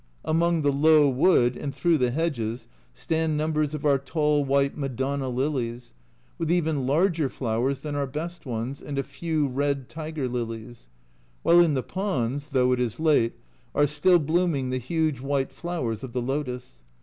Among the low wood, and through the hedges, stand numbers of our tall white " Madonna lilies," with even larger flowers than our best ones, and a few red tiger lilies ; while in the ponds, though it is late, are still blooming the huge white flowers of the lotus.